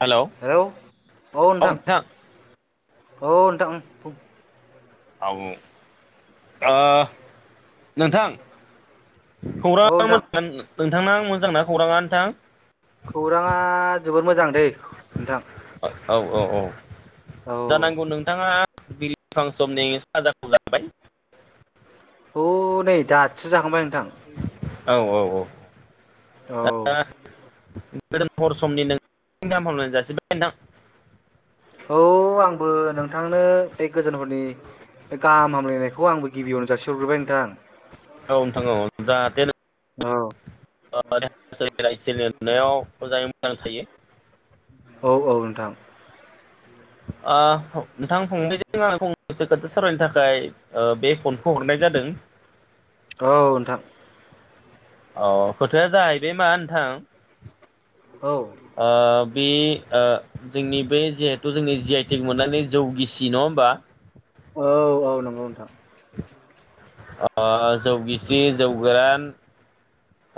Hello हेल औ नोंथां। औ नोंथां। [unintelligible] ओ ओ नोंथां। औ खौराङा नोंथां मोजाङानो? नोंथांना मोजांना खौराङा नोंथां? खौराङा जोबोद मोजां दै। नोंथां औ औ औ। औ जानांगौ नोंथाङा बिलिफां समनि खाजाखौ जाबाय? ह नै दाथसो जाखांबाय नोंथां ‌। औ औ औ। औ। दा गोजोन हर समनि [unintelligible] गाहाम हामलायनाय जासिबाय नोंथां। औ आं आंबो नोंथांनो बे गोजोन हरनि बे गाहाम हामलायनायखौ आंबो गिबियावनो जासिहरग्रोबाय नोंथां। औ नोंथां औ। जाहाथे। औ [unintelligible] आरो खेरायसेलनि अननायाव लिरनायाव मोजाङै मोजां थायो। औ औ नोंथां। नोंथां फंजों आं फंनैसो खोथा सावरायनो थाखाय बे फनखौ हरनाय जादों। औ नोंथां। औ खोथाया जाहैबाय मा नोंथां? औ आ। बे जोंनि बे जिहेथु जोंनि जि आइ टिक मोननानै जौगिसि नङा होमबा? औ औ नंगौ नोंथां। जौ गिसि, जौ गोरान।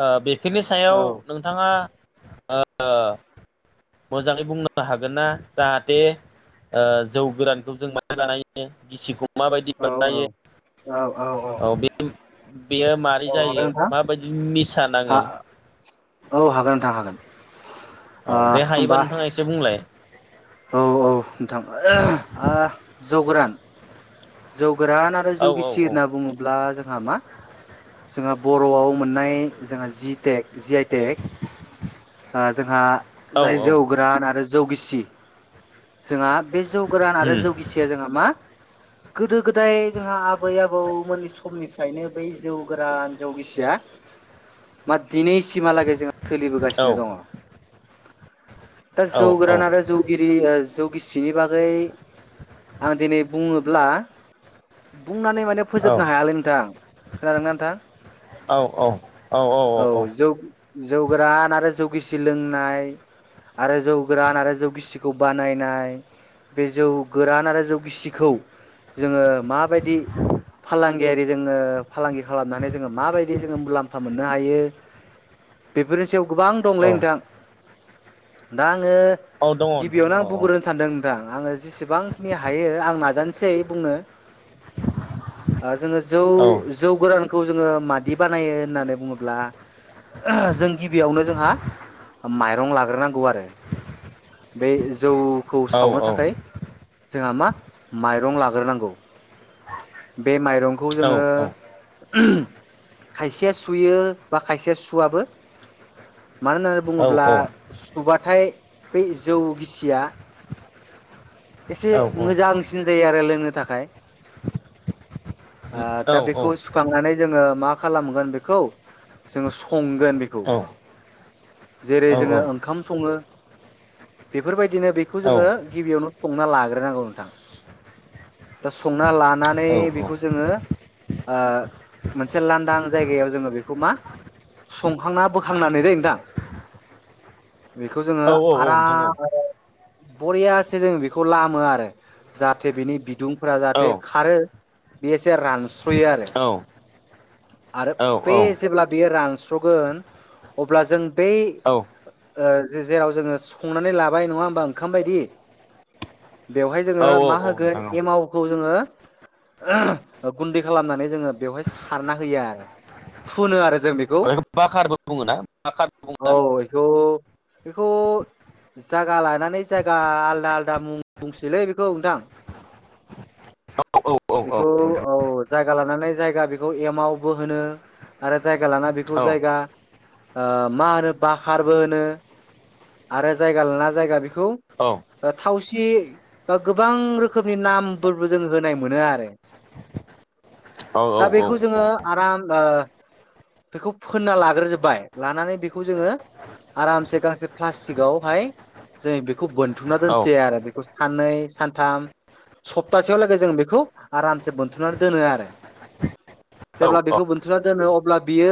आ बे फोरनि सायाव औ नोंथाङा ओ ओ मोजाङै बुंनां हागोन ना जाहाथे ओ जौ गोरानखौ जों मानो बानायो गिसिखौ माबायदि औ औ बानायो औ बे बेयो औ मारै हागोन जायो नोंथां माबायदि निसा हा नाङो औ हागोन नोंथां हागोन औ ओ दे हायोबा होमबा नोंथाङा एसे बुंलाय औ औ नोंथां [unintelligible] आ जौ गोरान जौ गोरान आरो जौ औ औ गिसि औ होनना बुङोब्ला जोंहा मा जोंहा बर'आव मोननाय जोंहा जि टेक जि आइ टेक जोंहा औ जाय औ जौ गोरान आरो जौ गिसि जोंहा बे जौ गोरान आरो उम जौ गिसिया जोंहा मा गोदो गोदाय जोंहा आबै आबौमोननि समनिफ्रायनो बै जौ गोरान जौ गिसिया मा दिनैसिमहालागै जों औ सोलिबोगासिनो दङ [inaudible] दा औ जौ गोरान जौ गिरि ओ जौ गिसिनि बागै आं दिनै बुङोब्ला [inaudible] बुंनानै माने औ फोजोबनो हायालै नोंथां खोनादों ना नोंथां? औ औ औ जौ जौ गोरान आरो जौ गिसि लोंनाय आरो जौ गोरान आरो जौ गिसिखौ बानायनाय बे जौ गोरान आरो जौ गिसिखौ जोङो माबायदि फालांगियारि जोङो फालांगि खालामनानै जोङो माबायदि जोङो मुलाम्फा मोन मोननो हायो बेफोरनि सायाव गोबां औ दंलै नोंथां दा आङो दङ नोंथां गिबियावनो दङ आं औ बुंग्रोनो सानदों नोंथां आङो जेसेबांखिनि हायो आं नाजानोसै बुंनो ओ जो जौ औ जौ गोरान खौ जोङो मादि बानायो होननानै बुङोब्ला [unintelligible] जों गिबियावनो जोंहा माइरं लाग्रोनांगौ आरो बे जौ खौ औ औ सावनो थाखाय जोंहा मा माइरं लाग्रोनांगौ बे माइरंखौ औ जोङो औ खायसेया सुयो बा खायसेया सुवाबो मानो होननानै बुङोब्ला सुबाथाय बे जौ गिसिया एसे मोजांसिन जायो आरो लों नो थाखाय ओ दा बेखौ सुखांनानै जोङो मा खालामगोन बेखौ जोङो सं गोन बेखौ जेरै जोङो ओंखाम सङो। बेफोरबायद दिनो बेखौ जोङो गिबियावनोस संना लाग्रोनांगौ नोंथां दा संना लानानै नोंथां बेखौ जोङो ओ मोनसे लांदां जायगायाव जोङो बेखौ मा संखांना बोखांनानै दै नोंथां। बेखौ जोङो औ आराम बरियासो जों बे खौ लामो आरो जाहाथे बेनि बिदुंफोरा औ औ जाहाथे खारो बे एसे रानस्रयो आरो औ आरो बेे जेब्ला बेयो रान स्रगोन अब्ला जों बै ओ जेराव जोङो संनानै लाबाय नङा ओमबा ओंखाम बायदि बेवहाय औ जोङो मा औ होगोन नोंथां औ एमावखौ जोनोम गुन्दै खालामनानै जोङो बेवहाय सारना होयो आरो फुनो आरो जों बेखौ। बेखौ बाखारबो बुङोना बा औ इखौ बेखौ जागा लानानै जायगा आलदा आल दा मुं बुंसैलै बेखौ नोंथां औ औ औ औ नोंथां औ बेखौ औ जायगा लानानै जायगा बेखौ एमावबो होनो आरो जायगा लाना औ बेखौ जायगा ओ मा होनो बखारबो होनो आरो जायगा लाना जायगा बेखौ थावसि बा गोबां रोखोमनि नामफोरबो जोङ होनाय मोनो आरो औ औ दा औ बेखौ औ जोङो आराम ओ बेखौ फोनना लाग्रोजोबबाय लानानै बेखौ जोङो आरामसे गांसे प्लास्टिकआवहाय जों बेखौ बोनथुमना दोन सै आरो बेखौ साननै सानथाम सप्तासेयाव जों बेखौ आरामसे बोनथुमनानै दोनो आरो जेब्ला बेखौ बोनथुमुनानै दोनो अब्ला बियो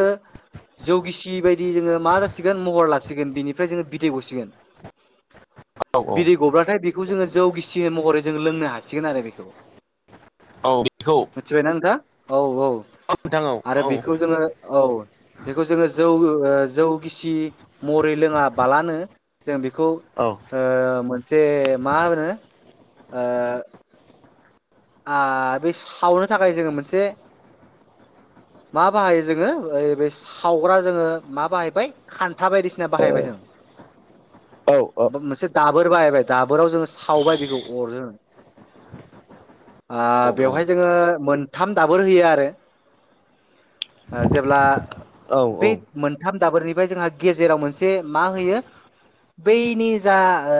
जौगिसि बायदि जोङो मा जासिगोन महर लासिगोन बिनिफ्राय जोङो बिदै गसिगोन औ बिदै गब्लाथाय बेखौ जोङो जौ गिसि महरै जों लोंनो हासिगोन आरो बेखौ औ बेखौ मिथिबायना नोंथां। औ औ नोंथां औ औ आरो बेखौ औ जोङो औ बेखौ जोङो जौ ओ जौ गिसि मरै लोङाबालानो जों बेखौ‌ ओ मोन जे मा होनो ओ आ‌ बे सावनो थाखाय जोङो मोनसे मा बाहायो जोङो ओ बे सावग्रा जोङो मा बाहायबाय खान्था बायदिसिना बाहायबाय जों औ मोनसे दाबोर बाहायबाय दाबोराव जोङो सावबाय बेखौ अरजों ओ बेवहाय जोङो मोनथाम दाबोर होयो आरो ओ जेब्ला औ बै मोनथाम दाबोरनिफ्राय जोंहा गेजेराव मोनसे मा होयो बैनि जा ओ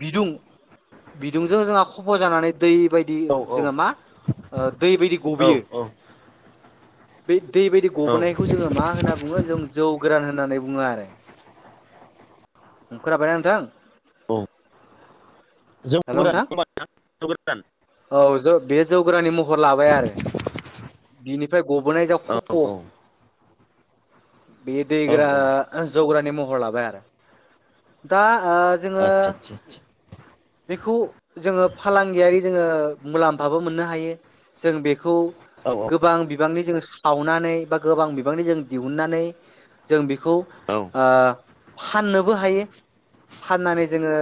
बिदुं बिदुंजों जोंहा खफ' जानानै दै बायदि जोङो मा ओ दै बायदि औ गबियो औ बै दै बायदि गबनायखौ जोङो मा होनना बुङो जों जौ गोरान होननानै बुङो आरो खोनाबायना नोंथां? जौ हेल' गोरान नोंथां [unintelligible] जौ गोरान औ जो बे जौ गोराननि महर लाबाय आरो बिनिफ्राय गबोनाय जा औ खफ' औ बे औ दैग्रा औ ओ जौ गोराननि महर लाबाय आरो दा ओ जोङो आतचा चा चा चा बेखौ जोङो फालांगियारि जोङो मुलाम्फाबो मोननो हायो जों बेखौ आदसा औ गोबां बिबांनि जोङो सावनानै बा गोबां बिबांनि जों दिहुननानै जों बेखौ ओ फाननोबो हायो फाननानै जोङो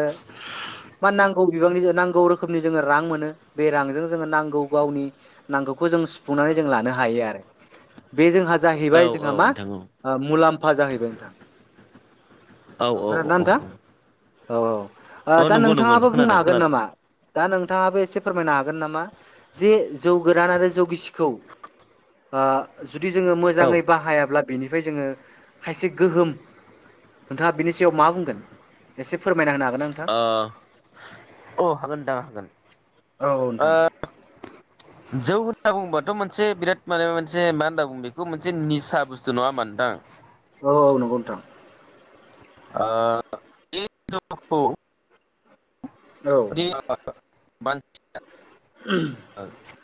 मा नांगौ बिबांनि जो नांगौ रोखोमनि जोङो रां मोनो बे रांजों जोङो नांगौ गावनि नांगौखौ जों सुफुंनानै जों लानो हायो आरो बे जोंहा औ जाहैबाय औ जोंहा मा नोंथां मुलाम्फा जाहैबाय नोंथां औ खोनादोंना नोंथां औ औ ओ औ दा नंगौ नंगौ नोंथाङाबो नोंथां बुंनो खोनादों हागोन खोनादों नामा? दा नोंथाङाबो एसे फोरमायनो हागोन नामा जे जौ गोदान आरो जौ गिसिखौ ओ जुदि जोङो औ मोजाङै बाहायाब्ला बेनिफ्राय जोङो खायसे गोहोम नोंथाङा बिनि सायाव मा बुंगोन एसे फोरमायना होनो हागोनना नोंथां हागोनदा हागोन औ औ नोंथां जौ होनना बुङोबाथ' मोनसे बिराद माने मोनसे मा होनना बुंङो बेखौ मोनसे निसा बुस्थु नङा होमबा नोंथां औ औ नंगौ नोंथां ओ बे जौखौ [unintelligible] मानसिया ओम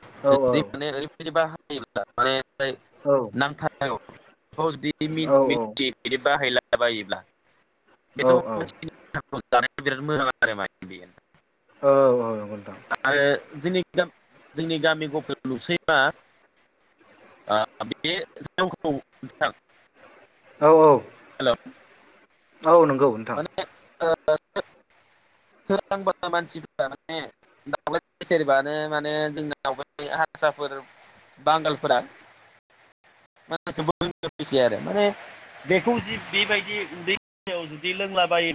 [unintelligible] [unintelligible] माने [unintelligible] औ [inaudible] औ [unintelligible] बाहायला जाबायोब्ला औ बेथ' औ [unintelligible] जानाया बिराद मोजां आरो माने बेयो औ औ नोंथां आरो जोंनि [unintelligible] जोंनि गामि गफ लुसैबा [unintelligible] बे जोंखौ बिथां औ औ औ नंगौ नोंथां [unintelligible] सोरांबा मानसिफोरा माने [unintelligible] सेरबानो माने जोंना [unintelligible] हारसाफोर बांगाल [unintelligible] आरो माने बेखौ जि बेबायदि उन्दै [unintelligible] दै लोंलाबायो